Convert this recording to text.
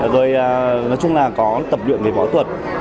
rồi nói chung là có tập luyện về bó tuật